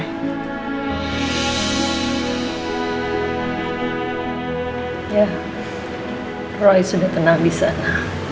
ya roy sudah tenang di sana